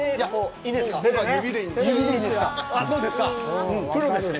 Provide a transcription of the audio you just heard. いいですか？